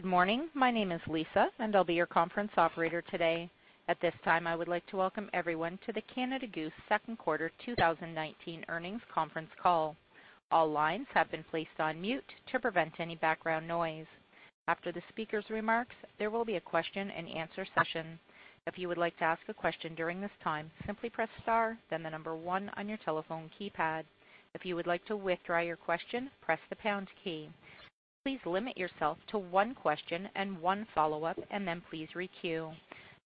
Good morning. My name is Lisa, and I'll be your conference operator today. At this time, I would like to welcome everyone to the Canada Goose second quarter 2019 earnings conference call. All lines have been placed on mute to prevent any background noise. After the speaker's remarks, there will be a question and answer session. If you would like to ask a question during this time, simply press star, then the number 1 on your telephone keypad. If you would like to withdraw your question, press the pound key. Please limit yourself to one question and one follow-up, and then please re-queue.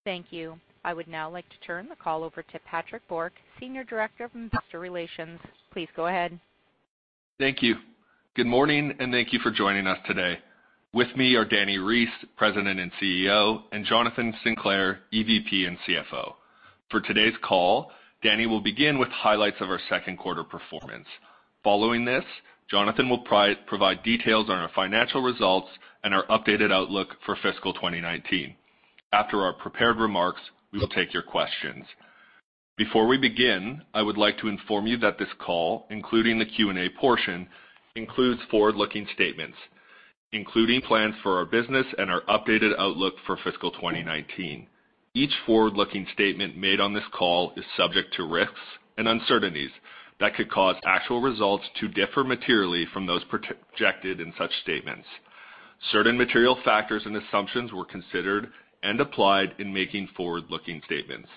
Thank you. I would now like to turn the call over to Patrick Bouriat, Senior Director of Investor Relations. Please go ahead. Thank you. Good morning, and thank you for joining us today. With me are Dani Reiss, President and CEO, and Jonathan Sinclair, EVP and CFO. For today's call, Dani will begin with highlights of our second quarter performance. Following this, Jonathan will provide details on our financial results and our updated outlook for fiscal 2019. After our prepared remarks, we will take your questions. Before we begin, I would like to inform you that this call, including the Q&A portion, includes forward-looking statements, including plans for our business and our updated outlook for fiscal 2019. Each forward-looking statement made on this call is subject to risks and uncertainties that could cause actual results to differ materially from those projected in such statements. Certain material factors and assumptions were considered and applied in making forward-looking statements.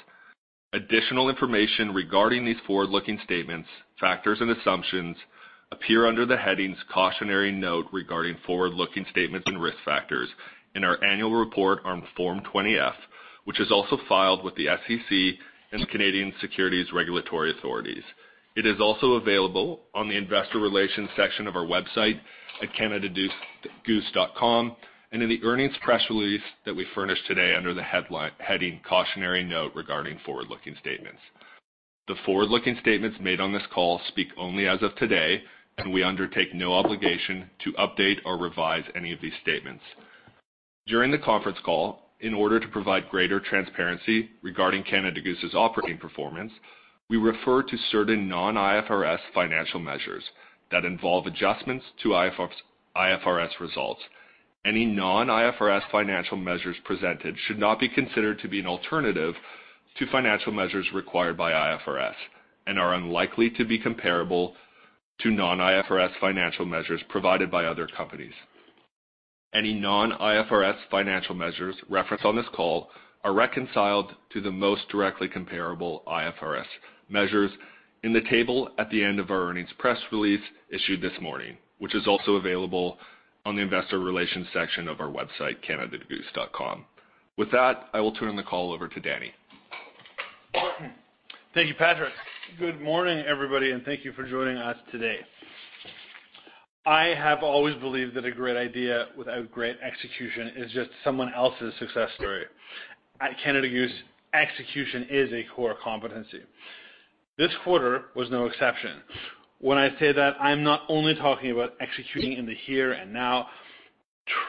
Additional information regarding these forward-looking statements, factors, and assumptions appear under the headings "Cautionary Note Regarding Forward-Looking Statements and Risk Factors" in our annual report on Form 20-F, which is also filed with the SEC and the Canadian Securities Administrators. It is also available on the investor relations section of our website at canadagoose.com, and in the earnings press release that we furnished today under the heading "Cautionary Note Regarding Forward-Looking Statements." The forward-looking statements made on this call speak only as of today, and we undertake no obligation to update or revise any of these statements. During the conference call, in order to provide greater transparency regarding Canada Goose's operating performance, we refer to certain non-IFRS financial measures that involve adjustments to IFRS results. Any non-IFRS financial measures presented should not be considered to be an alternative to financial measures required by IFRS and are unlikely to be comparable to non-IFRS financial measures provided by other companies. Any non-IFRS financial measures referenced on this call are reconciled to the most directly comparable IFRS measures in the table at the end of our earnings press release issued this morning, which is also available on the investor relations section of our website, canadagoose.com. With that, I will turn the call over to Dani. Thank you, Patrick. Good morning, everybody. Thank you for joining us today. I have always believed that a great idea without great execution is just someone else's success story. At Canada Goose, execution is a core competency. This quarter was no exception. When I say that, I'm not only talking about executing in the here and now.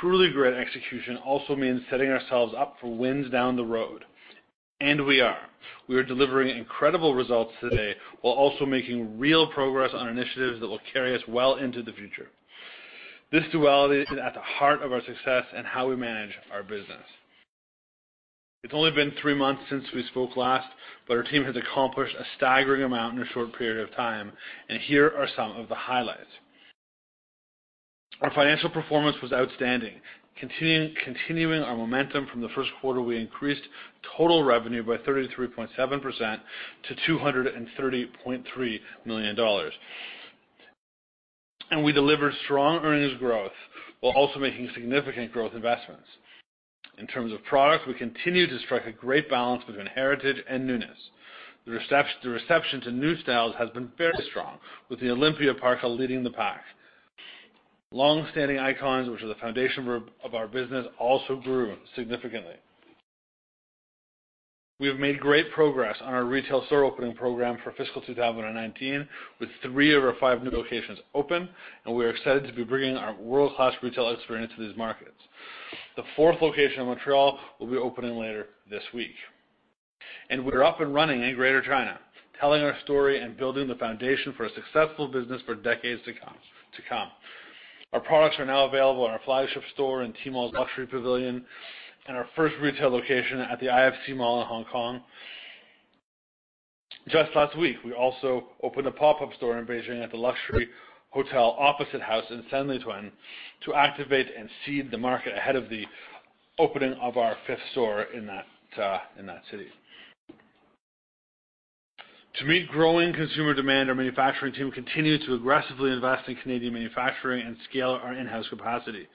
Truly great execution also means setting ourselves up for wins down the road, and we are. We are delivering incredible results today while also making real progress on initiatives that will carry us well into the future. This duality is at the heart of our success and how we manage our business. It's only been three months since we spoke last, but our team has accomplished a staggering amount in a short period of time, and here are some of the highlights. Our financial performance was outstanding. Continuing our momentum from the first quarter, we increased total revenue by 33.7% to 230.3 million dollars. We delivered strong earnings growth while also making significant growth investments. In terms of products, we continue to strike a great balance between heritage and newness. The reception to new styles has been very strong, with the Olympia Parka leading the pack. Long-standing icons, which are the foundation of our business, also grew significantly. We have made great progress on our retail store opening program for FY 2019, with three of our five new locations open, and we are excited to be bringing our world-class retail experience to these markets. The fourth location in Montreal will be opening later this week. We're up and running in Greater China, telling our story and building the foundation for a successful business for decades to come. Our products are now available in our flagship store in Tmall's luxury pavilion and our first retail location at the IFC Mall in Hong Kong. Just last week, we also opened a pop-up store in Beijing at the luxury hotel Opposite House in Sanlitun to activate and seed the market ahead of the opening of our fifth store in that city. To meet growing consumer demand, our manufacturing team continued to aggressively invest in Canadian manufacturing and scale our in-house capacity.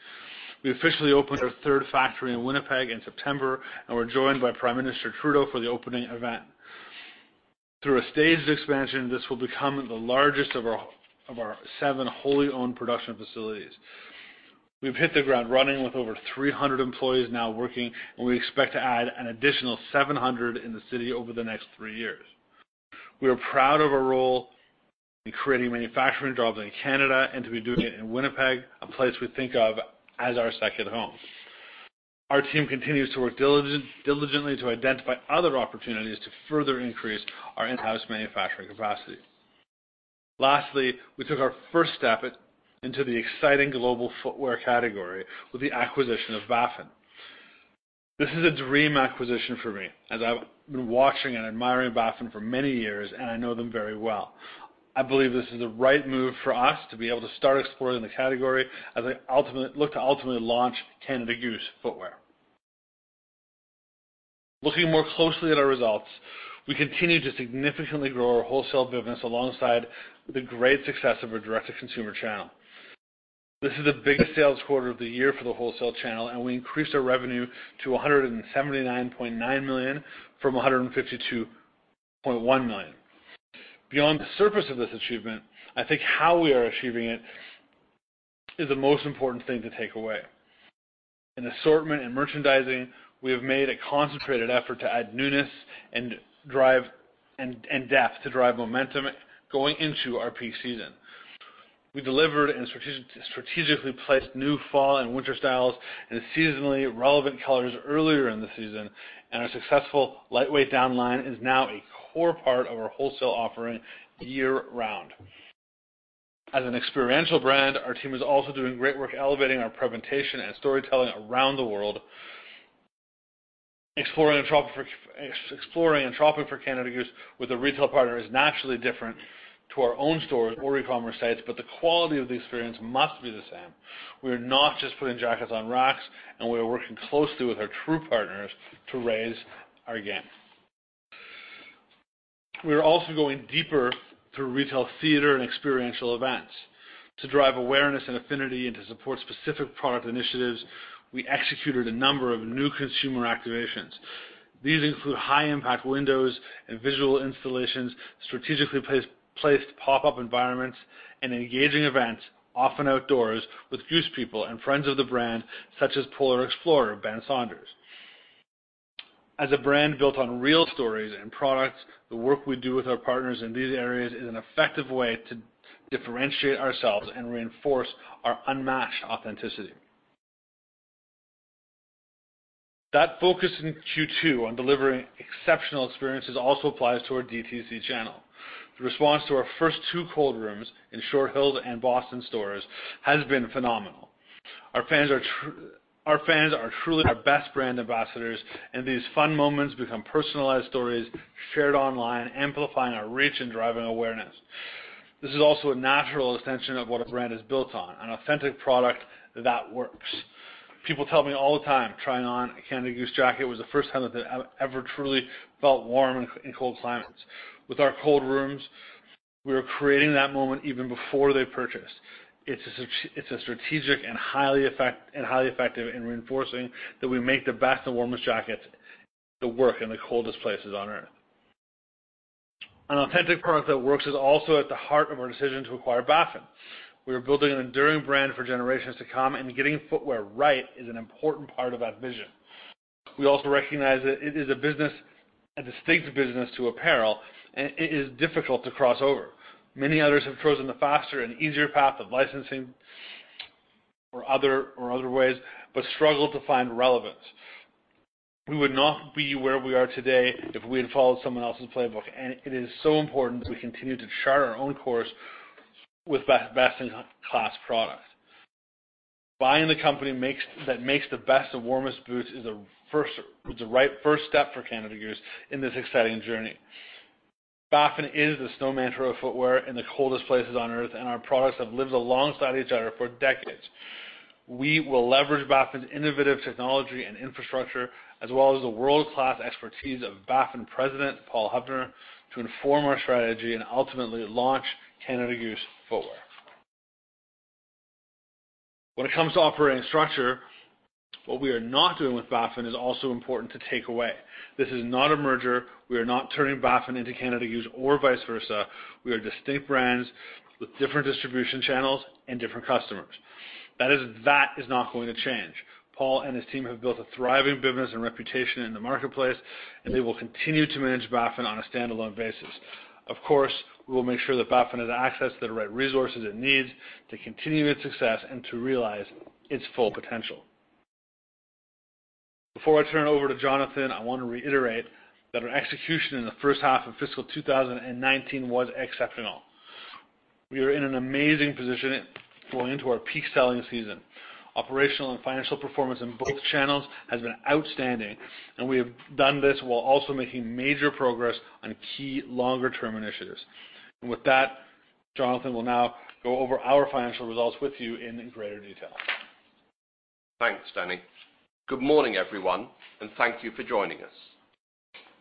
We officially opened our third factory in Winnipeg in September and were joined by Prime Minister Trudeau for the opening event. Through a staged expansion, this will become the largest of our seven wholly owned production facilities. We've hit the ground running with over 300 employees now working, and we expect to add an additional 700 in the city over the next three years. We are proud of our role in creating manufacturing jobs in Canada and to be doing it in Winnipeg, a place we think of as our second home. Our team continues to work diligently to identify other opportunities to further increase our in-house manufacturing capacity. Lastly, we took our first step into the exciting global footwear category with the acquisition of Baffin. This is a dream acquisition for me as I've been watching and admiring Baffin for many years, and I know them very well. I believe this is the right move for us to be able to start exploring the category as I look to ultimately launch Canada Goose footwear. Looking more closely at our results, we continue to significantly grow our wholesale business alongside the great success of our direct-to-consumer channel. This is the biggest sales quarter of the year for the wholesale channel. We increased our revenue to 179.9 million from 152.1 million. Beyond the surface of this achievement, I think how we are achieving it is the most important thing to take away. In assortment and merchandising, we have made a concentrated effort to add newness and depth to drive momentum going into our peak season. We delivered and strategically placed new fall and winter styles in seasonally relevant colors earlier in the season. Our successful lightweight down line is now a core part of our wholesale offering year-round. As an experiential brand, our team is also doing great work elevating our presentation and storytelling around the world. Exploring and talking for Canada Goose with a retail partner is naturally different to our own stores or e-commerce sites. The quality of the experience must be the same. We are not just putting jackets on racks. We are working closely with our true partners to raise our game. We are also going deeper through retail theater and experiential events. To drive awareness and affinity and to support specific product initiatives, we executed a number of new consumer activations. These include high-impact windows and visual installations, strategically placed pop-up environments, and engaging events, often outdoors, with Goose people and friends of the brand such as polar explorer Ben Saunders. As a brand built on real stories and products, the work we do with our partners in these areas is an effective way to differentiate ourselves and reinforce our unmatched authenticity. That focus in Q2 on delivering exceptional experiences also applies to our D2C channel. The response to our first two cold rooms in Short Hills and Boston stores has been phenomenal. Our fans are truly our best brand ambassadors. These fun moments become personalized stories shared online, amplifying our reach and driving awareness. This is also a natural extension of what a brand is built on, an authentic product that works. People tell me all the time, trying on a Canada Goose jacket was the first time that they ever truly felt warm in cold climates. With our cold rooms, we are creating that moment even before they purchase. It's strategic and highly effective in reinforcing that we make the best and warmest jackets that work in the coldest places on Earth. An authentic product that works is also at the heart of our decision to acquire Baffin. We are building an enduring brand for generations to come. Getting footwear right is an important part of that vision. We also recognize that it is a distinct business to apparel. It is difficult to cross over. Many others have chosen the faster and easier path of licensing or other ways but struggle to find relevance. We would not be where we are today if we had followed someone else's playbook. It is so important that we continue to chart our own course with best-in-class product. Buying the company that makes the best and warmest boots is the right first step for Canada Goose in this exciting journey. Baffin is the Snow Mantra footwear in the coldest places on Earth. Our products have lived alongside each other for decades. We will leverage Baffin's innovative technology and infrastructure, as well as the world-class expertise of Baffin President Paul Hubner, to inform our strategy and ultimately launch Canada Goose footwear. When it comes to operating structure, what we are not doing with Baffin is also important to take away. This is not a merger. We are not turning Baffin into Canada Goose or vice versa. We are distinct brands with different distribution channels and different customers. That is not going to change. Paul and his team have built a thriving business and reputation in the marketplace, and they will continue to manage Baffin on a standalone basis. Of course, we will make sure that Baffin has access to the right resources it needs to continue its success and to realize its full potential. Before I turn it over to Jonathan, I want to reiterate that our execution in the first half of fiscal 2019 was exceptional. We are in an amazing position going into our peak selling season. Operational and financial performance in both channels has been outstanding, and we have done this while also making major progress on key longer-term initiatives. With that, Jonathan will now go over our financial results with you in greater detail. Thanks, Dani. Good morning, everyone, and thank you for joining us.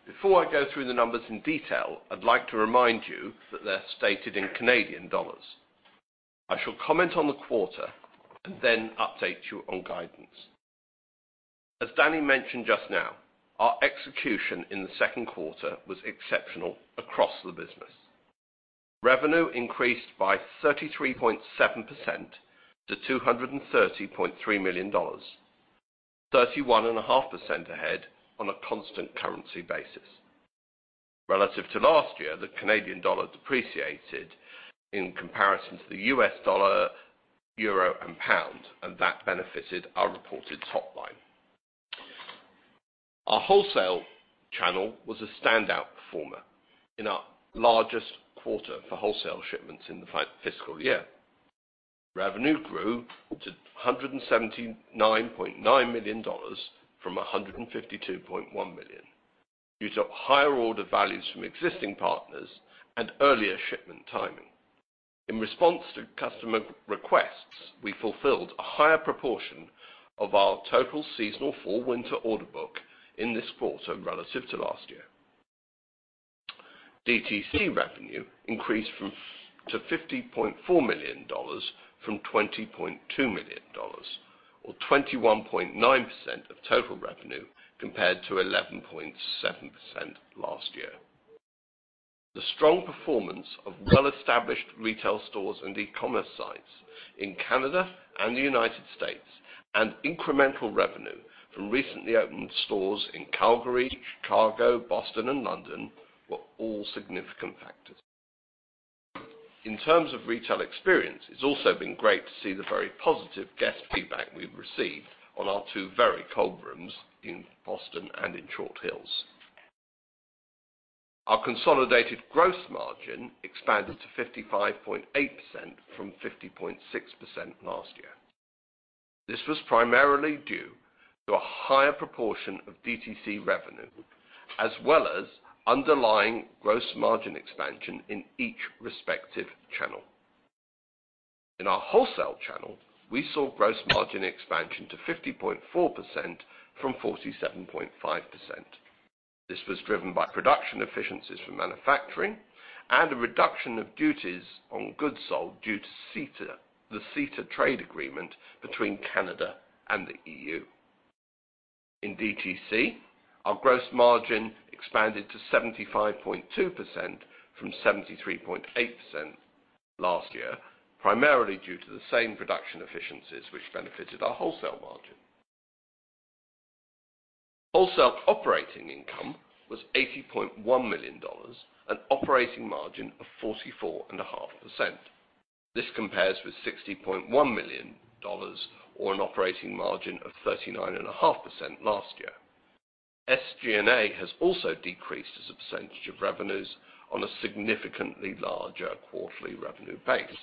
Before I go through the numbers in detail, I'd like to remind you that they're stated in Canadian dollars. I shall comment on the quarter and then update you on guidance. As Dani mentioned just now, our execution in the second quarter was exceptional across the business. Revenue increased by 33.7% to CAD 230.3 million, 31.5% ahead on a constant currency basis. Relative to last year, the Canadian dollar depreciated in comparison to the U.S. dollar, EUR, and GBP, and that benefited our reported top line. Our wholesale channel was a standout performer in our largest quarter for wholesale shipments in the fiscal year. Revenue grew to CAD 179.9 million from CAD 152.1 million due to higher order values from existing partners and earlier shipment timing. In response to customer requests, we fulfilled a higher proportion of our total seasonal fall-winter order book in this quarter relative to last year. DTC revenue increased to 50.4 million dollars from 20.2 million dollars, or 21.9% of total revenue, compared to 11.7% last year. The strong performance of well-established retail stores and e-commerce sites in Canada and the U.S., and incremental revenue from recently opened stores in Calgary, Chicago, Boston, and London were all significant factors. In terms of retail experience, it's also been great to see the very positive guest feedback we've received on our two very cold rooms in Boston and in Short Hills. Our consolidated gross margin expanded to 55.8% from 50.6% last year. This was primarily due to a higher proportion of DTC revenue, as well as underlying gross margin expansion in each respective channel. In our wholesale channel, we saw gross margin expansion to 50.4% from 47.5%. This was driven by production efficiencies from manufacturing and a reduction of duties on goods sold due to the CETA trade agreement between Canada and the EU. In DTC, our gross margin expanded to 75.2% from 73.8% last year, primarily due to the same production efficiencies which benefited our wholesale margin. Wholesale operating income was 80.1 million dollars, an operating margin of 44.5%. This compares with 60.1 million dollars, or an operating margin of 39.5% last year. SG&A has also decreased as a percentage of revenues on a significantly larger quarterly revenue base.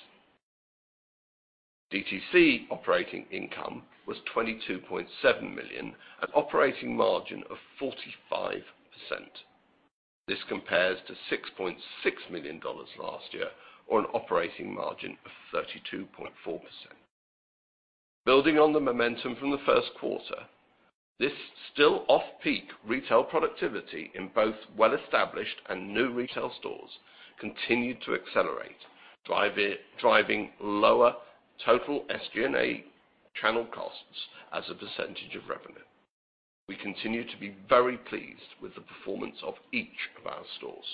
DTC operating income was 22.7 million, an operating margin of 45%. This compares to 6.6 million dollars last year, or an operating margin of 32.4%. Building on the momentum from the first quarter, this still off-peak retail productivity in both well-established and new retail stores continued to accelerate, driving lower total SG&A channel costs as a percentage of revenue. We continue to be very pleased with the performance of each of our stores.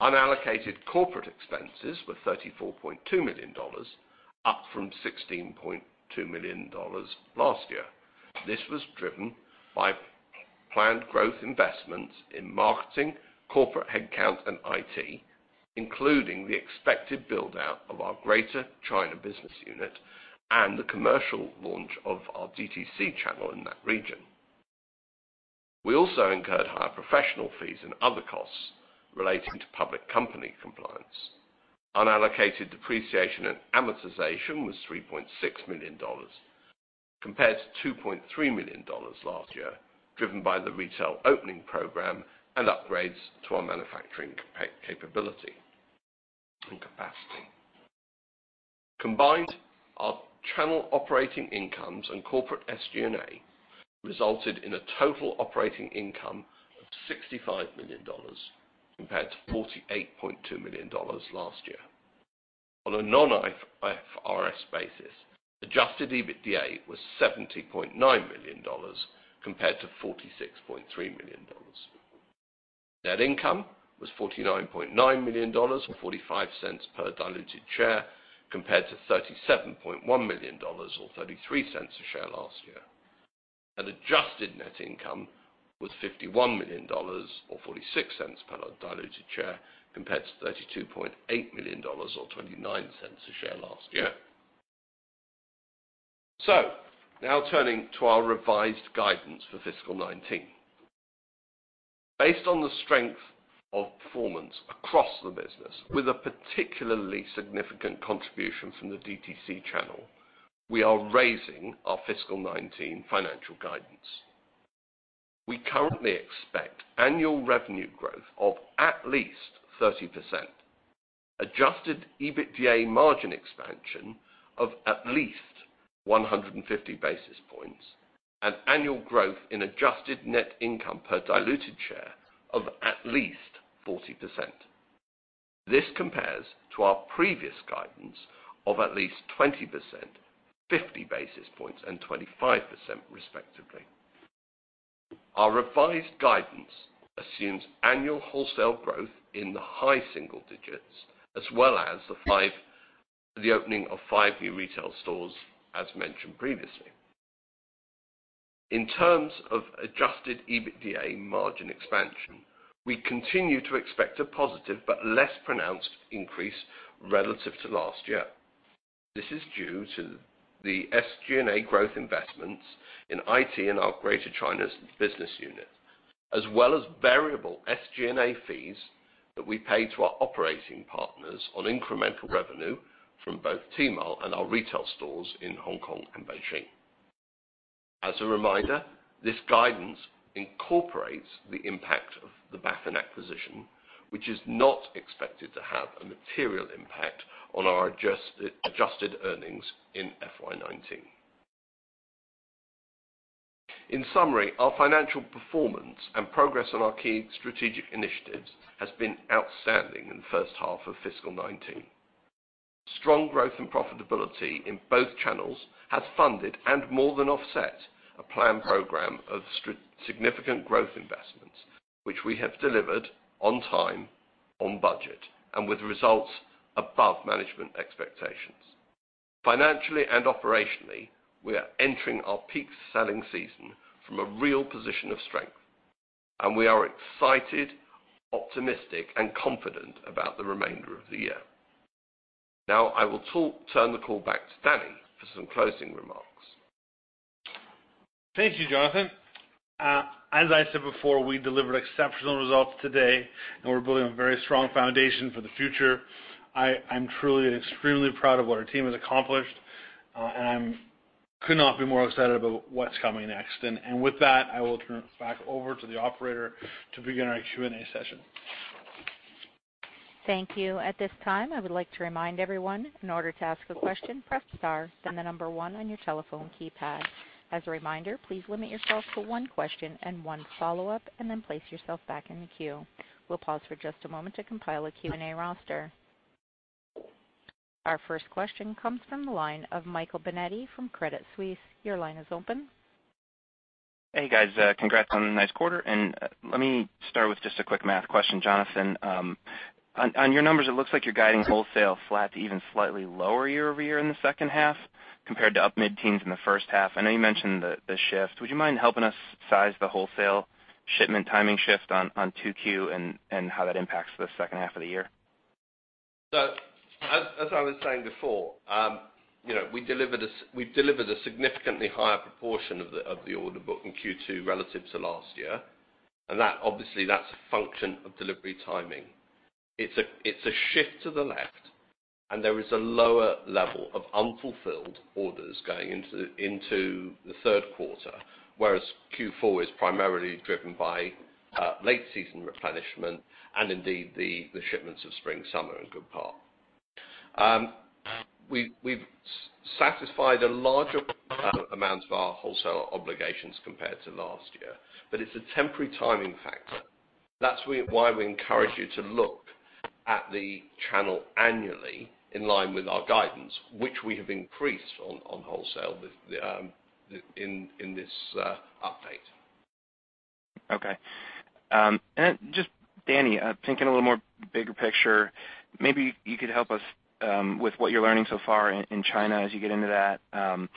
Unallocated corporate expenses were CAD 34.2 million, up from CAD 16.2 million last year. This was driven by planned growth investments in marketing, corporate headcount, and IT, including the expected build-out of our Greater China business unit and the commercial launch of our DTC channel in that region. We also incurred higher professional fees and other costs relating to public company compliance. Unallocated depreciation and amortization was 3.6 million dollars, compared to 2.3 million dollars last year, driven by the retail opening program and upgrades to our manufacturing capability and capacity. Combined, our channel operating incomes and corporate SG&A resulted in a total operating income of 65 million dollars, compared to 48.2 million dollars last year. On a non-IFRS basis, adjusted EBITDA was CAD 70.9 million compared to CAD 46.3 million. Net income was CAD 49.9 million or 0.45 per diluted share, compared to CAD 37.1 million or 0.33 a share last year. Adjusted net income was CAD 51 million or 0.46 per diluted share, compared to 32.8 million dollars or 0.29 a share last year. Now turning to our revised guidance for FY 2019. Based on the strength of performance across the business, with a particularly significant contribution from the DTC channel, we are raising our FY 2019 financial guidance. We currently expect annual revenue growth of at least 30%, adjusted EBITDA margin expansion of at least 150 basis points, and annual growth in adjusted net income per diluted share of at least 40%. This compares to our previous guidance of at least 20%, 50 basis points, and 25%, respectively. Our revised guidance assumes annual wholesale growth in the high single digits, as well as the opening of five new retail stores, as mentioned previously. In terms of adjusted EBITDA margin expansion, we continue to expect a positive but less pronounced increase relative to last year. This is due to the SG&A growth investments in IT and our Greater China business unit, as well as variable SG&A fees that we pay to our operating partners on incremental revenue from both Tmall and our retail stores in Hong Kong and Beijing. As a reminder, this guidance incorporates the impact of the Baffin acquisition, which is not expected to have a material impact on our adjusted earnings in FY 2019. In summary, our financial performance and progress on our key strategic initiatives has been outstanding in the first half of fiscal 2019. Strong growth and profitability in both channels has funded and more than offset a planned program of significant growth investments, which we have delivered on time, on budget, and with results above management expectations. Financially and operationally, we are entering our peak selling season from a real position of strength, and we are excited, optimistic, and confident about the remainder of the year. I will turn the call back to Dani for some closing remarks. Thank you, Jonathan. As I said before, we delivered exceptional results today, and we are building a very strong foundation for the future. I am truly extremely proud of what our team has accomplished, and I could not be more excited about what is coming next. I will turn it back over to the operator to begin our Q&A session. Thank you. At this time, I would like to remind everyone, in order to ask a question, press star then the number one on your telephone keypad. As a reminder, please limit yourself to one question and one follow-up, and then place yourself back in the queue. We will pause for just a moment to compile a Q&A roster. Our first question comes from the line of Michael Binetti from Credit Suisse. Your line is open. Hey, guys. Congrats on a nice quarter. Let me start with just a quick math question. Jonathan, on your numbers, it looks like you are guiding wholesale flat to even slightly lower year-over-year in the second half compared to up mid-teens in the first half. I know you mentioned the shift. Would you mind helping us size the wholesale shipment timing shift on 2Q and how that impacts the second half of the year? As I was saying before, we delivered a significantly higher proportion of the order book in Q2 relative to last year, and obviously that's a function of delivery timing. It's a shift to the left, and there is a lower level of unfulfilled orders going into the third quarter, whereas Q4 is primarily driven by late-season replenishment and indeed the shipments of spring/summer in good part. We've satisfied a larger amount of our wholesale obligations compared to last year, but it's a temporary timing factor. That's why we encourage you to look at the channel annually in line with our guidance, which we have increased on wholesale in this update. Okay. Just, Dani, thinking a little more bigger picture, maybe you could help us with what you're learning so far in China as you get into that.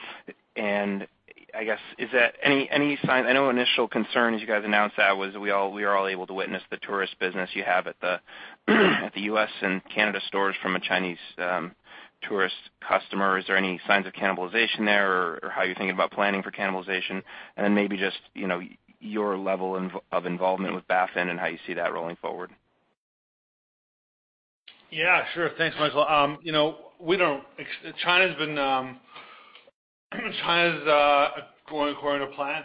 I guess, is that any sign-- I know initial concern, as you guys announced that, was we were all able to witness the tourist business you have at the U.S. and Canada stores from a Chinese tourist customer. Is there any signs of cannibalization there, or how you're thinking about planning for cannibalization, and then maybe just your level of involvement with Baffin and how you see that rolling forward? Yeah, sure. Thanks, Michael. China is going according to plan,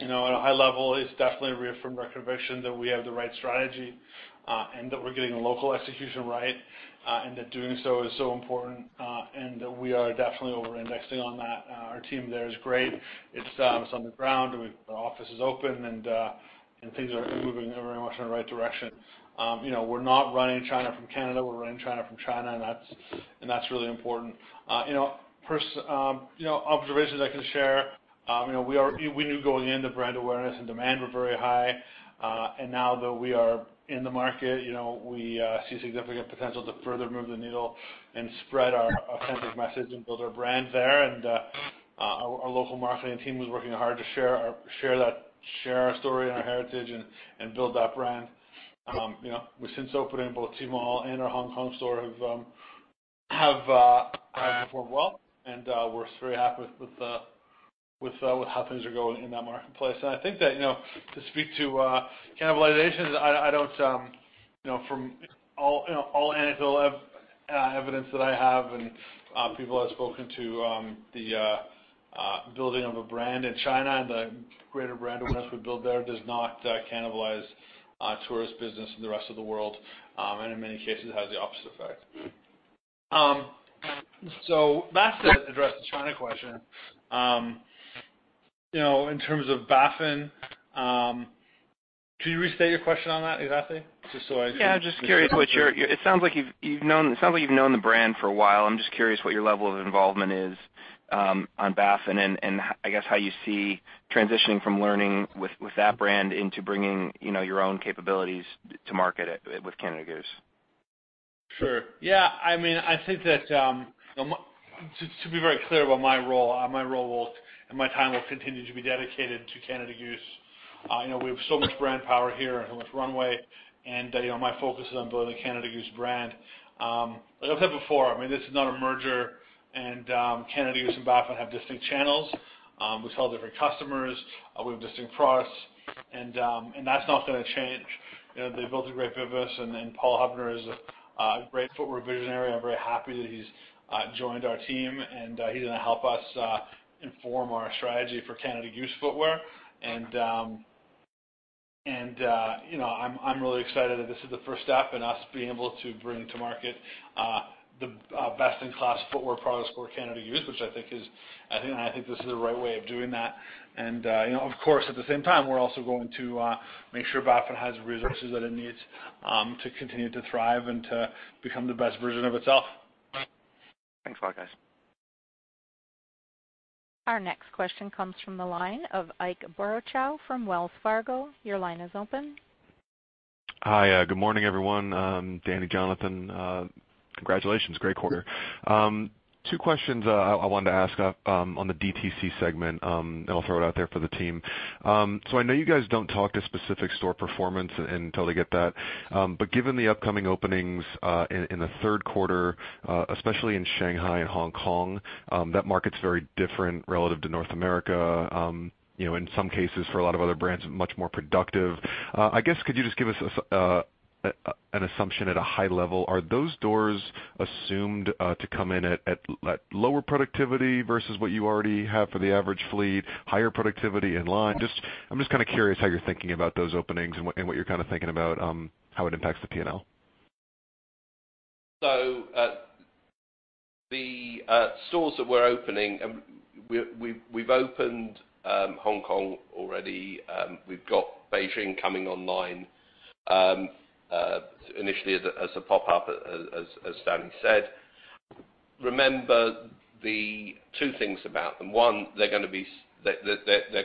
at a high level, it's definitely reaffirmed our conviction that we have the right strategy and that we're getting the local execution right, and that doing so is so important. We are definitely over-indexing on that. Our team there is great. It's on the ground. Our office is open, and things are moving very much in the right direction. We're not running China from Canada. We're running China from China, and that's really important. Observations I can share, we knew going in the brand awareness and demand were very high. Now that we are in the market, we see significant potential to further move the needle and spread our authentic message and build our brand there. Our local marketing team was working hard to share our story and our heritage and build that brand. We since opened in both Tmall and our Hong Kong store have performed well, we're very happy with how things are going in that marketplace. I think that to speak to cannibalization, from all anecdotal evidence that I have and people I've spoken to, the building of a brand in China and the greater brand awareness we build there does not cannibalize tourist business in the rest of the world. In many cases, it has the opposite effect. That's it addresses the China question. In terms of Baffin, can you restate your question on that, exactly? Just so I can- Yeah, it sounds like you've known the brand for a while. I'm just curious what your level of involvement is on Baffin and I guess how you see transitioning from learning with that brand into bringing your own capabilities to market it with Canada Goose. Sure. Yeah. I mean, I think that. To be very clear about my role, my role and my time will continue to be dedicated to Canada Goose. We have so much brand power here and so much runway, my focus is on building the Canada Goose brand. Like I've said before, this is not a merger, Canada Goose and Baffin have distinct channels. We sell different customers. We have distinct products, that's not going to change. They built a great business, Paul Hubner is a great footwear visionary. I'm very happy that he's joined our team, he's going to help us inform our strategy for Canada Goose footwear. I'm really excited that this is the first step in us being able to bring to market the best-in-class footwear products for Canada Goose, which I think this is the right way of doing that. Of course, at the same time, we're also going to make sure Baffin has resources that it needs to continue to thrive and to become the best version of itself. Thanks a lot, guys. Our next question comes from the line of Ike Boruchow from Wells Fargo. Your line is open. Hi. Good morning, everyone. Dani, Jonathan. Congratulations. Great quarter. Two questions I wanted to ask on the DTC segment. I'll throw it out there for the team. I know you guys don't talk to specific store performance until they get that. Given the upcoming openings in the third quarter, especially in Shanghai and Hong Kong, that market's very different relative to North America. In some cases, for a lot of other brands, much more productive. I guess, could you just give us an assumption at a high level? Are those doors assumed to come in at lower productivity versus what you already have for the average fleet, higher productivity in line? I'm just curious how you're thinking about those openings and what you're thinking about how it impacts the P&L. The stores that we're opening, we've opened Hong Kong already. We've got Beijing coming online initially as a pop-up, as Dani said. Remember the two things about them. One, they're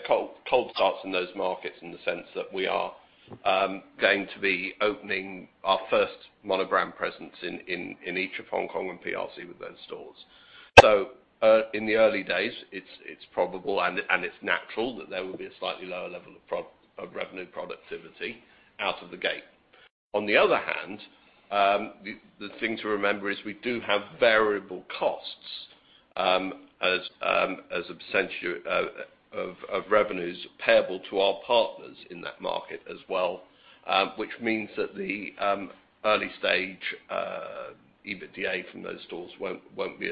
cold starts in those markets in the sense that we are going to be opening our first monobrand presence in each of Hong Kong and PRC with those stores. In the early days, it's probable, and it's natural that there will be a slightly lower level of revenue productivity out of the gate. On the other hand, the thing to remember is we do have variable costs as a percentage of revenues payable to our partners in that market as well, which means that the early stage EBITDA from those stores won't be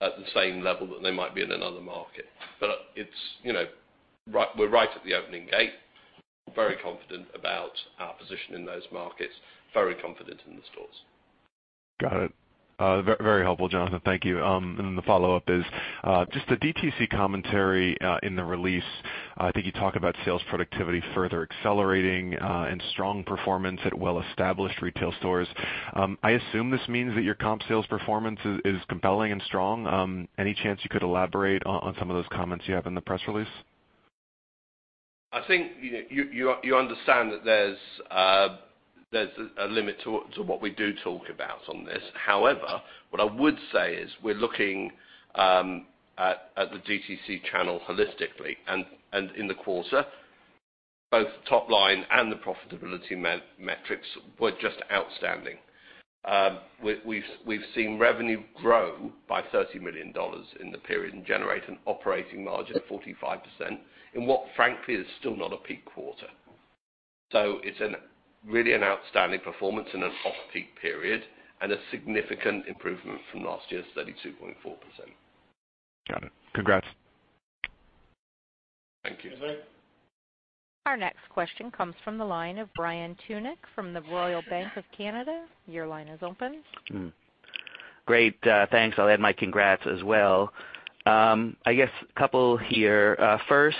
at the same level that they might be in another market. We're right at the opening gate, very confident about our position in those markets, very confident in the stores. Got it. Very helpful, Jonathan. Thank you. The follow-up is, just the DTC commentary in the release. I think you talk about sales productivity further accelerating and strong performance at well-established retail stores. I assume this means that your comp sales performance is compelling and strong. Any chance you could elaborate on some of those comments you have in the press release? I think you understand that there's a limit to what we do talk about on this. However, what I would say is we're looking at the DTC channel holistically. In the quarter, both top line and the profitability metrics were just outstanding. We've seen revenue grow by 30 million dollars in the period and generate an operating margin of 45% in what frankly is still not a peak quarter. It's really an outstanding performance in an off-peak period and a significant improvement from last year's 32.4%. Got it. Congrats. Thank you. Dani. Our next question comes from the line of Brian Tunick from the Royal Bank of Canada. Your line is open. Great. Thanks. I'll add my congrats as well. I guess a couple here. First,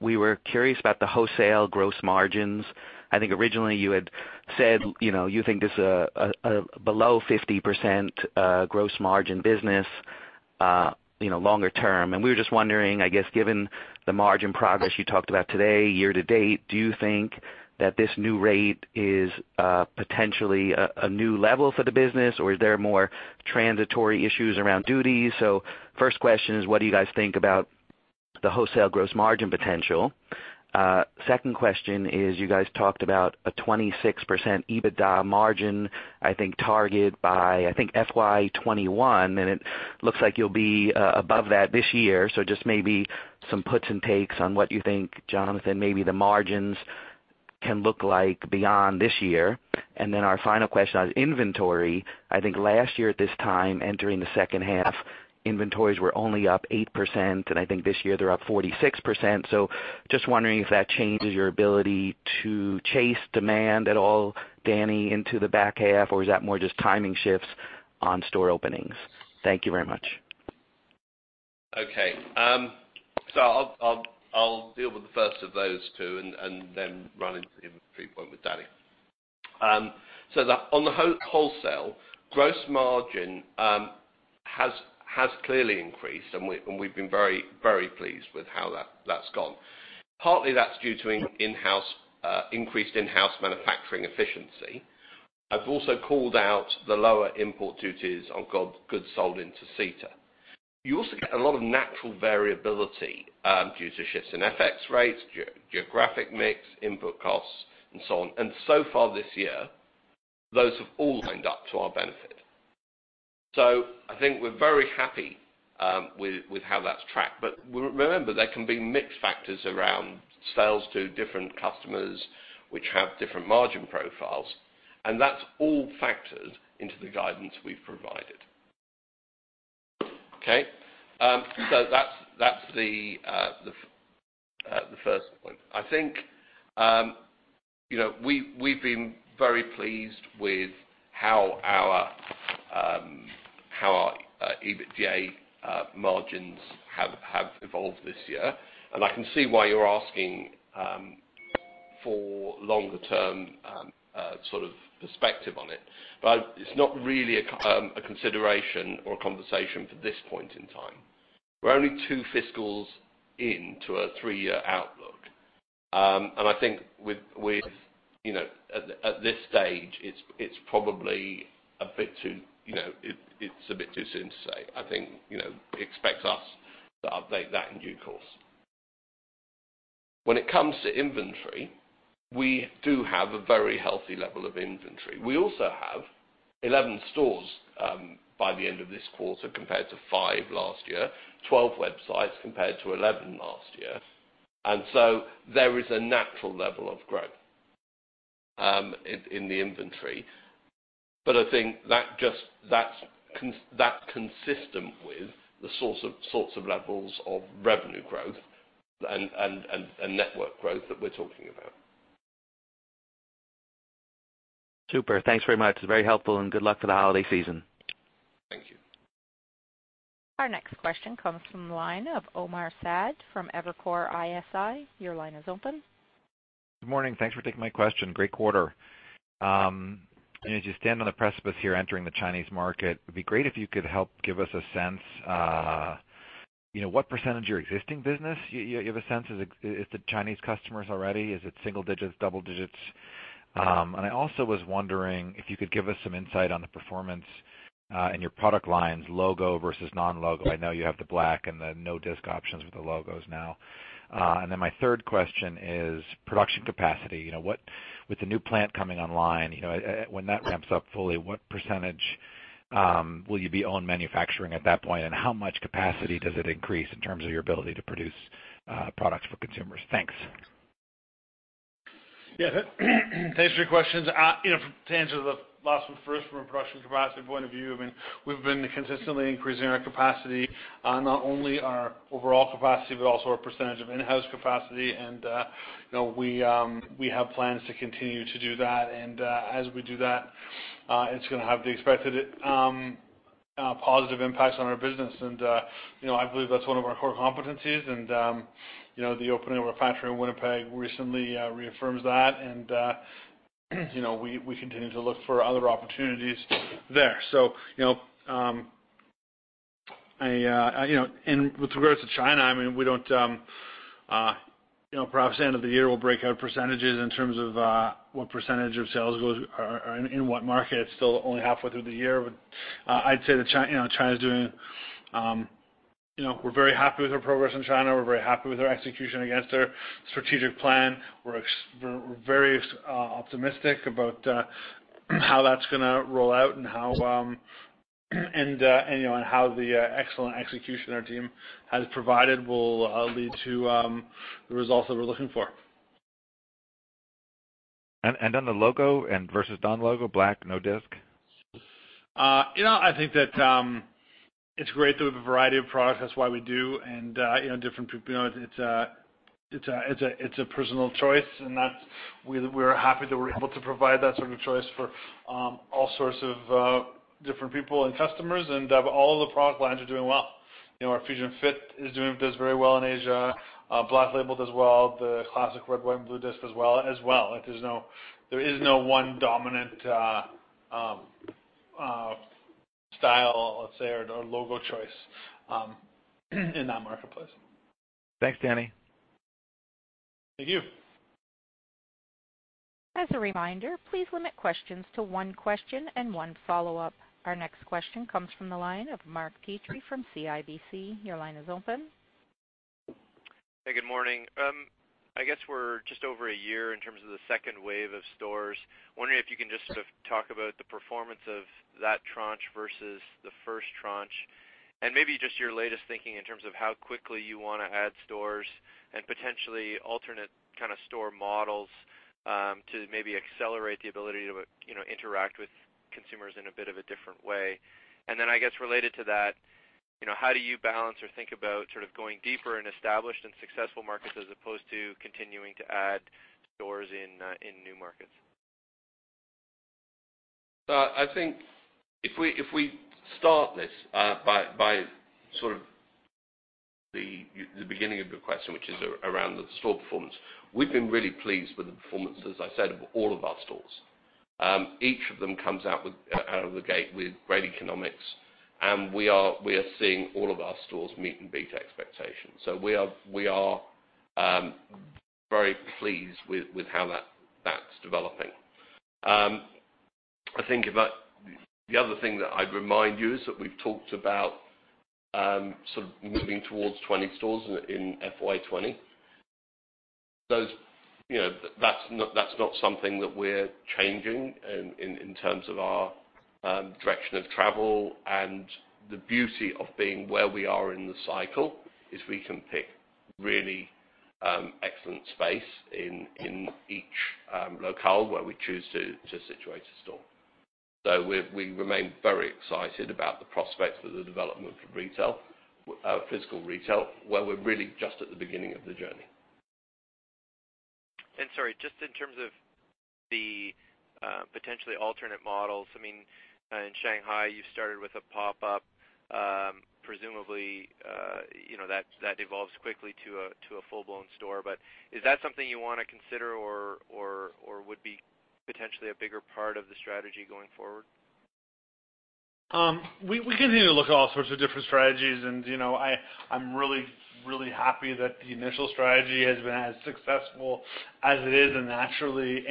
we were curious about the wholesale gross margins. I think originally you had said you think this a below 50% gross margin business longer term. We were just wondering, I guess, given the margin progress you talked about today, year-to-date, do you think that this new rate is potentially a new level for the business, or is there more transitory issues around duties? The first question is, what do you guys think about the wholesale gross margin potential? Second question is, you guys talked about a 26% EBITDA margin, I think target by, I think FY '21, and it looks like you'll be above that this year. Just maybe some puts and takes on what you think Jonathan, maybe the margins can look like beyond this year. Then our final question on inventory. I think last year at this time, entering the second half, inventories were only up 8%, and I think this year they're up 46%. Just wondering if that changes your ability to chase demand at all, Dani, into the back half, or is that more just timing shifts on store openings? Thank you very much. Okay. I'll deal with the first of those two and then run into the inventory point with Dani. On the wholesale, gross margin has clearly increased, and we've been very pleased with how that's gone. Partly that's due to increased in-house manufacturing efficiency. I've also called out the lower import duties on goods sold into CETA. You also get a lot of natural variability due to shifts in FX rates, geographic mix, input costs, and so on. So far this year, those have all lined up to our benefit. I think we're very happy with how that's tracked. Remember, there can be mix factors around sales to different customers which have different margin profiles, and that's all factored into the guidance we've provided. Okay? That's the first point. I think we've been very pleased with how our EBITDA margins have evolved this year. I can see why you're asking for longer term sort of perspective on it. It's not really a consideration or a conversation for this point in time. We're only two fiscals into a three-year outlook. I think at this stage it's a bit too soon to say. I think expect us to update that in due course. When it comes to inventory, we do have a very healthy level of inventory. We also have 11 stores by the end of this quarter compared to five last year, 12 websites compared to 11 last year. There is a natural level of growth in the inventory. I think that's consistent with the sorts of levels of revenue growth and network growth that we're talking about. Super. Thanks very much. Very helpful and good luck for the holiday season. Thank you. Our next question comes from the line of Omar Saad from Evercore ISI. Your line is open. Good morning. Thanks for taking my question. Great quarter. As you stand on the precipice here entering the Chinese market, it would be great if you could help give us a sense what % of your existing business, you have a sense, is the Chinese customers already? Is it single-digits, double-digits? I also was wondering if you could give us some insight on the performance in your product lines, logo versus non-logo. I know you have the black and the no disc options with the logos now. My third question is production capacity. With the new plant coming online, when that ramps up fully, what % will you be own manufacturing at that point, and how much capacity does it increase in terms of your ability to produce products for consumers? Thanks. Thanks for your questions. To answer the last one first, from a production capacity point of view, we have been consistently increasing our capacity, not only our overall capacity, but also our % of in-house capacity. We have plans to continue to do that. As we do that, it is going to have the expected positive impacts on our business. I believe that is one of our core competencies, and the opening of our factory in Winnipeg recently reaffirms that. We continue to look for other opportunities there. With regards to China, perhaps end of the year, we will break out %s in terms of what % of sales are in what market. It is still only halfway through the year. I would say that we are very happy with our progress in China. We are very happy with our execution against our strategic plan. We are very optimistic about how that is going to roll out and how the excellent execution our team has provided will lead to the results that we are looking for. On the logo versus non-logo black, no disc? I think that it's great that we have a variety of products. That's why we do. Different people, it's a personal choice, and we're happy that we're able to provide that sort of choice for all sorts of different people and customers. All of the product lines are doing well. Our Fusion Fit does very well in Asia, Black Label does well, the classic red, white, and blue disc as well. There is no one dominant style, let's say, or logo choice in that marketplace. Thanks, Dani. Thank you. As a reminder, please limit questions to one question and one follow-up. Our next question comes from the line of Mark Petrie from CIBC. Your line is open. I guess we're just over a year in terms of the second wave of stores. Wondering if you can just sort of talk about the performance of that tranche versus the first tranche and maybe just your latest thinking in terms of how quickly you want to add stores and potentially alternate kind of store models to maybe accelerate the ability to interact with consumers in a bit of a different way. I guess related to that, how do you balance or think about sort of going deeper in established and successful markets as opposed to continuing to add stores in new markets? I think if we start this by sort of the beginning of your question, which is around the store performance. We've been really pleased with the performance, as I said, of all of our stores. Each of them comes out of the gate with great economics, and we are seeing all of our stores meet and beat expectations. We are very pleased with how that's developing. I think the other thing that I'd remind you is that we've talked about sort of moving towards 20 stores in FY 2020. That's not something that we're changing in terms of our direction of travel. The beauty of being where we are in the cycle is we can pick really excellent space in each locale where we choose to situate a store. We remain very excited about the prospects for the development of retail, physical retail, where we're really just at the beginning of the journey. Sorry, just in terms of the potentially alternate models. In Shanghai, you started with a pop-up, presumably, that evolves quickly to a full-blown store. Is that something you want to consider or would be potentially a bigger part of the strategy going forward? We continue to look at all sorts of different strategies, and I'm really, really happy that the initial strategy has been as successful as it is. Naturally,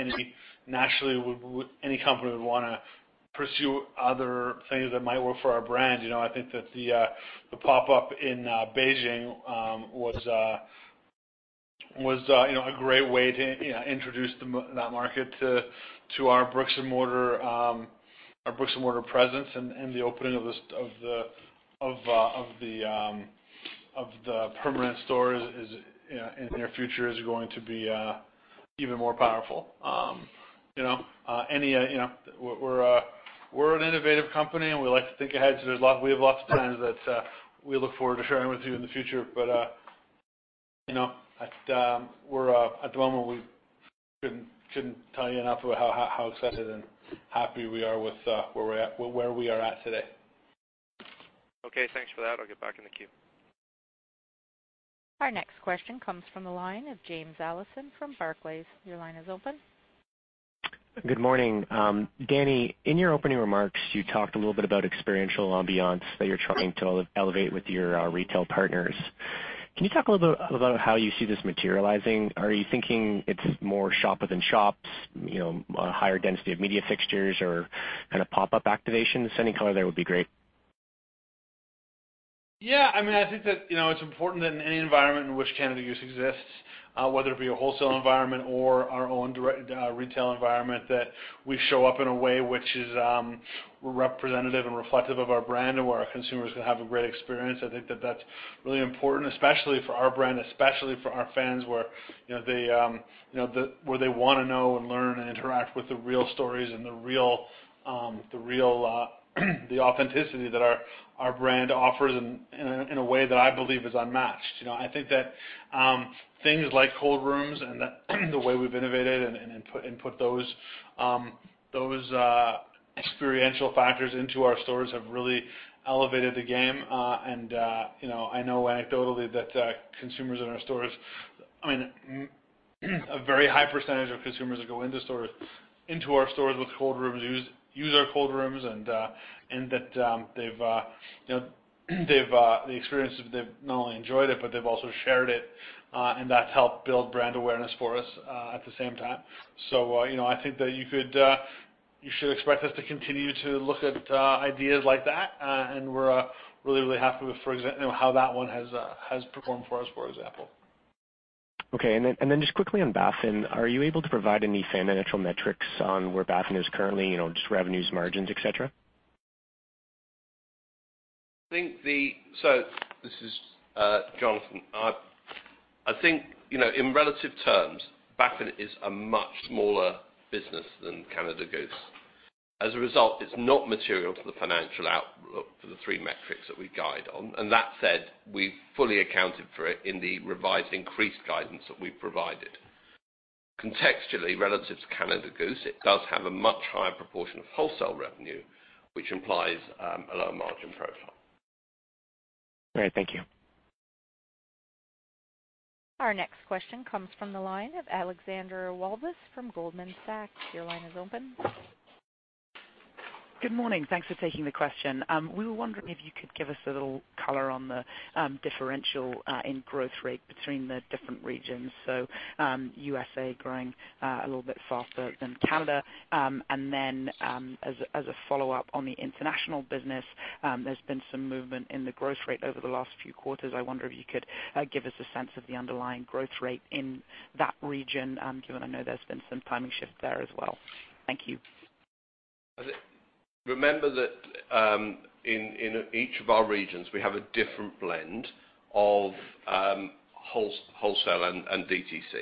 any company would want to pursue other things that might work for our brand. I think that the pop-up in Beijing was a great way to introduce that market to our bricks and mortar presence. The opening of the permanent stores in the near future is going to be even more powerful. We're an innovative company, and we like to think ahead. We have lots of plans that we look forward to sharing with you in the future. At the moment, we shouldn't tell you enough about how excited and happy we are with where we are at today. Okay, thanks for that. I'll get back in the queue. Our next question comes from the line of James Allison from Barclays. Your line is open. Good morning. Dani, in your opening remarks, you talked a little bit about experiential ambiance that you're trying to elevate with your retail partners. Can you talk a little bit about how you see this materializing? Are you thinking it's more shop within shops, a higher density of media fixtures or kind of pop-up activations? Any color there would be great. Yeah. I think that it's important that in any environment in which Canada Goose exists, whether it be a wholesale environment or our own direct retail environment, that we show up in a way which is representative and reflective of our brand and where our consumers can have a great experience. I think that that's really important, especially for our brand, especially for our fans where they want to know and learn and interact with the real stories and the authenticity that our brand offers in a way that I believe is unmatched. I think that things like cold rooms and the way we've innovated and put those experiential factors into our stores have really elevated the game. I know anecdotally that consumers in our stores, a very high percentage of consumers that go into our stores with cold rooms, use our cold rooms, and that the experiences, they've not only enjoyed it, but they've also shared it, and that's helped build brand awareness for us at the same time. I think that you should expect us to continue to look at ideas like that, and we're really, really happy with how that one has performed for us, for example. Okay. Just quickly on Baffin, are you able to provide any financial metrics on where Baffin is currently, just revenues, margins, et cetera? This is Jonathan. I think, in relative terms, Baffin is a much smaller business than Canada Goose. As a result, it's not material to the financial outlook for the three metrics that we guide on. That said, we've fully accounted for it in the revised increased guidance that we provided. Contextually, relative to Canada Goose, it does have a much higher proportion of wholesale revenue, which implies a lower margin profile. All right. Thank you. Our next question comes from the line of Alexandra Walvis from Goldman Sachs. Your line is open. Good morning. Thanks for taking the question. We were wondering if you could give us a little color on the differential in growth rate between the different regions, so USA growing a little bit faster than Canada. As a follow-up on the international business, there's been some movement in the growth rate over the last few quarters. I wonder if you could give us a sense of the underlying growth rate in that region, given I know there's been some timing shifts there as well. Thank you. Remember that in each of our regions, we have a different blend of wholesale and DTC.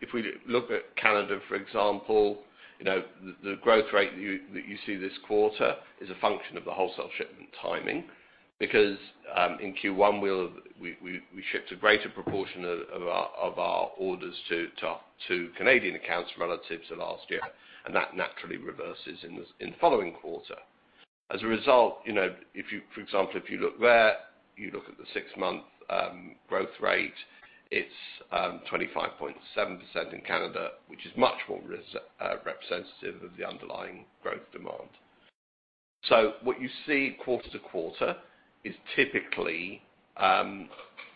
If we look at Canada, for example, the growth rate that you see this quarter is a function of the wholesale shipment timing because in Q1 we shipped a greater proportion of our orders to Canadian accounts relative to last year, and that naturally reverses in the following quarter. As a result, for example, if you look there, you look at the six-month growth rate, it's 25.7% in Canada, which is much more representative of the underlying growth demand. What you see quarter-to-quarter is typically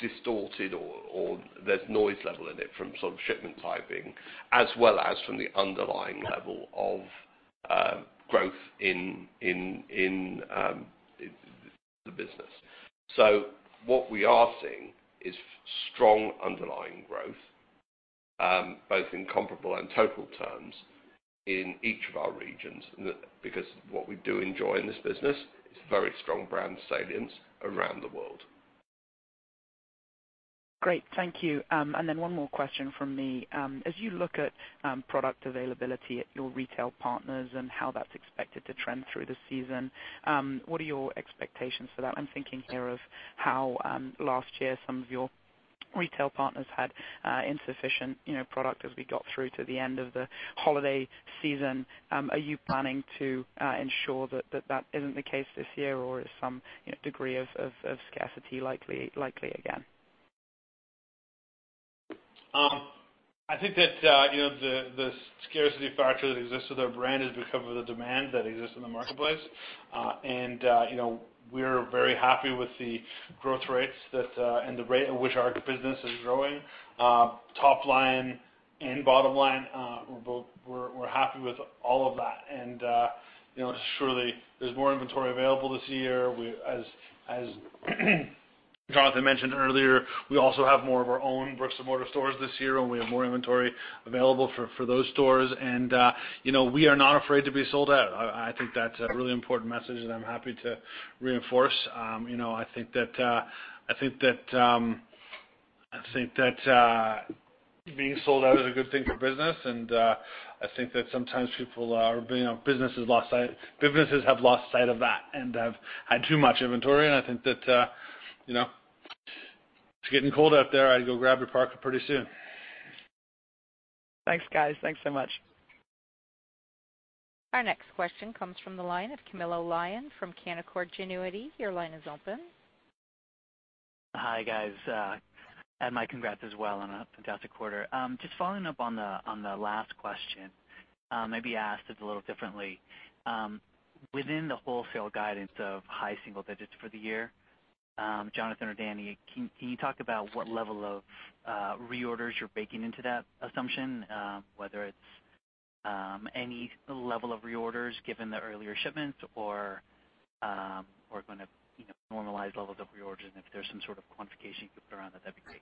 distorted or there's noise level in it from shipment typing as well as from the underlying level of growth in the business. What we are seeing is strong underlying growth, both in comparable and total terms in each of our regions. What we do enjoy in this business is very strong brand salience around the world. Great, thank you. One more question from me. As you look at product availability at your retail partners and how that's expected to trend through the season, what are your expectations for that? I'm thinking here of how, last year, some of your retail partners had insufficient product as we got through to the end of the holiday season. Are you planning to ensure that that isn't the case this year, or is some degree of scarcity likely again? I think that the scarcity factor that exists with our brand is because of the demand that exists in the marketplace. We're very happy with the growth rates and the rate at which our business is growing. Top line and bottom line, we're happy with all of that. Surely there's more inventory available this year. As Jonathan mentioned earlier, we also have more of our own bricks and mortar stores this year, and we have more inventory available for those stores. We are not afraid to be sold out. I think that's a really important message that I'm happy to reinforce. I think that being sold out is a good thing for business, and I think that sometimes businesses have lost sight of that and have had too much inventory. I think that it's getting cold out there. I'd go grab your parka pretty soon. Thanks, guys. Thanks so much. Our next question comes from the line of Camilo Lyon from Canaccord Genuity. Your line is open. Hi, guys. My congrats as well on a fantastic quarter. Just following up on the last question, maybe asked it a little differently. Within the wholesale guidance of high single digits for the year, Jonathan or Dani, can you talk about what level of reorders you're baking into that assumption, whether it's any level of reorders given the earlier shipments or are going to normalize levels of reorders? If there's some sort of quantification you could put around that'd be great.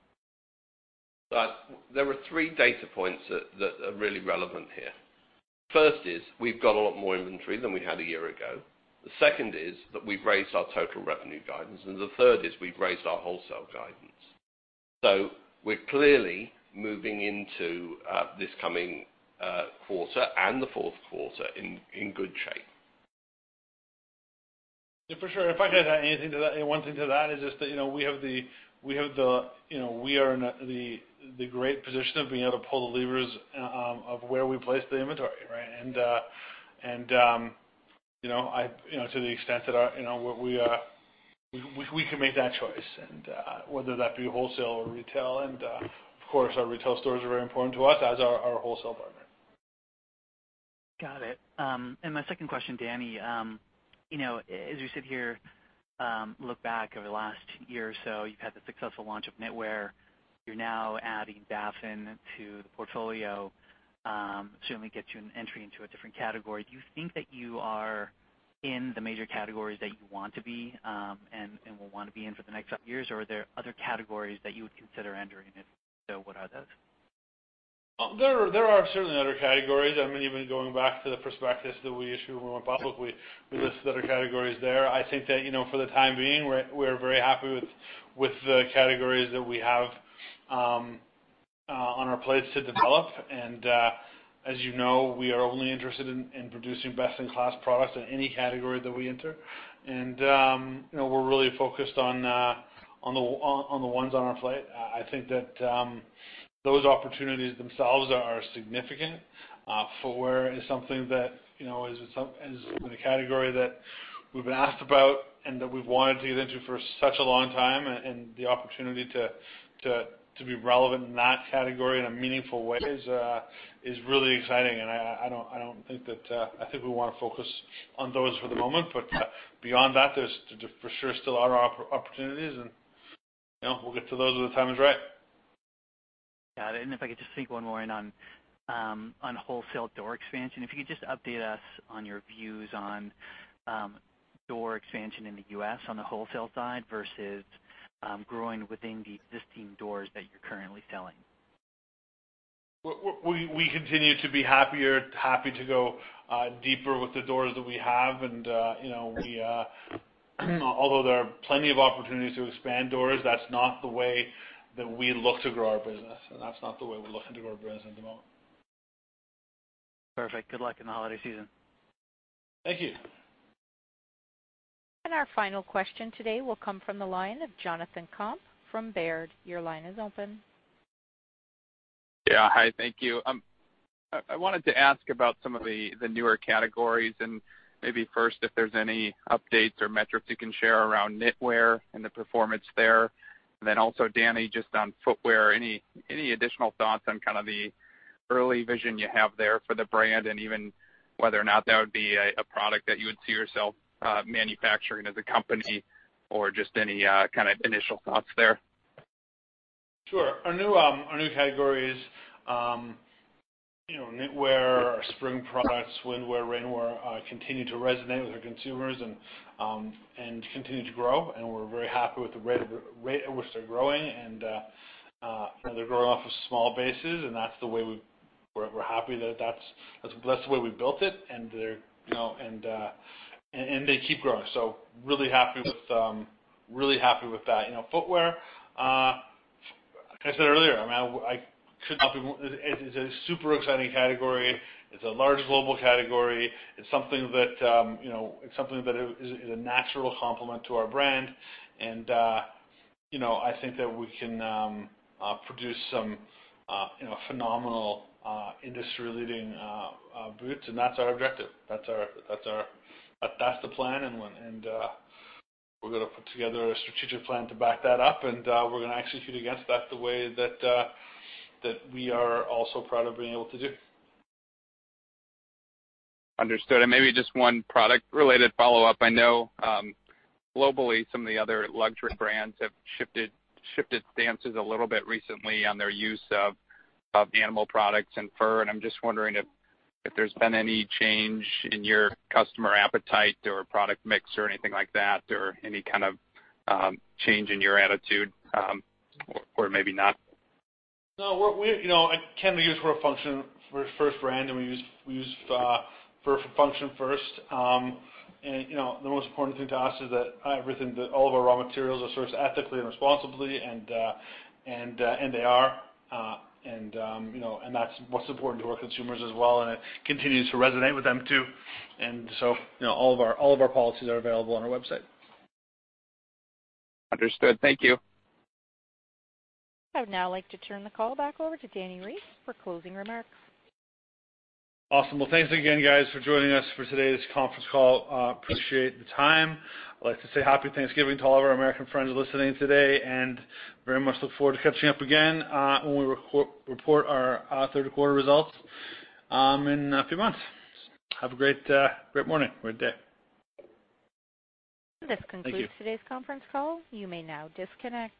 There are three data points that are really relevant here. First is we've got a lot more inventory than we had a year ago. The second is that we've raised our total revenue guidance. The third is we've raised our wholesale guidance. We're clearly moving into this coming quarter and the fourth quarter in good shape. Yeah, for sure. If I could add one thing to that is just that we are in the great position of being able to pull the levers of where we place the inventory, right? To the extent that we can make that choice and whether that be wholesale or retail, and of course, our retail stores are very important to us as our wholesale partner. Got it. My second question, Dani, as we sit here, look back over the last year or so, you've had the successful launch of Knitwear. You're now adding Baffin to the portfolio, certainly gets you an entry into a different category. Do you think that you are in the major categories that you want to be and will want to be in for the next couple of years, or are there other categories that you would consider entering? If so, what are those? There are certainly other categories. Even going back to the prospectus that we issued more publicly, we listed other categories there. I think that for the time being, we're very happy with the categories that we have on our plates to develop. As you know, we are only interested in producing best-in-class products in any category that we enter. We're really focused on the ones on our plate. I think that those opportunities themselves are significant. Footwear is a category that we've been asked about and that we've wanted to get into for such a long time, and the opportunity to be relevant in that category in a meaningful way is really exciting. I think we want to focus on those for the moment. Beyond that, there's for sure still other opportunities, and we'll get to those when the time is right. Got it. If I could just sneak one more in on wholesale door expansion. If you could just update us on your views on door expansion in the U.S. on the wholesale side versus growing within the existing doors that you're currently selling. We continue to be happy to go deeper with the doors that we have. Although there are plenty of opportunities to expand doors, that's not the way that we look to grow our business, and that's not the way we're looking to grow our business at the moment. Perfect. Good luck in the holiday season. Thank you. Our final question today will come from the line of Jonathan Komp from Baird. Your line is open. Yeah. Hi, thank you. I wanted to ask about some of the newer categories and maybe first if there's any updates or metrics you can share around knitwear and the performance there. Then also, Dani, just on footwear, any additional thoughts on the early vision you have there for the brand and even whether or not that would be a product that you would see yourself manufacturing as a company or just any initial thoughts there? Sure. Our new categories, knitwear, our spring products, Windwear, Rainwear, continue to resonate with our consumers and continue to grow. We're very happy with the rate at which they're growing. They're growing off of small bases, and we're happy that that's the way we built it, and they keep growing. Really happy with that. Footwear, like I said earlier, it is a super exciting category. It's a large global category. It's something that is a natural complement to our brand, and I think that we can produce some phenomenal industry-leading boots, and that's our objective. That's the plan, and we're gonna put together a strategic plan to back that up, and we're gonna execute against that the way that we are all so proud of being able to do. Understood. Maybe just one product-related follow-up. I know globally, some of the other luxury brands have shifted stances a little bit recently on their use of animal products and fur, and I'm just wondering if there's been any change in your customer appetite or product mix or anything like that, or any kind of change in your attitude, or maybe not. No. Canada Goose, we're a first brand, and we use fur for function first. The most important thing to us is that all of our raw materials are sourced ethically and responsibly, and they are. That's what's important to our consumers as well, and it continues to resonate with them, too. All of our policies are available on our website. Understood. Thank you. I would now like to turn the call back over to Dani Reiss for closing remarks. Awesome. Well, thanks again, guys, for joining us for today's conference call. Appreciate the time. I'd like to say Happy Thanksgiving to all of our American friends listening today and very much look forward to catching up again when we report our third-quarter results in a few months. Have a great morning, great day. This concludes- Thank you today's conference call. You may now disconnect.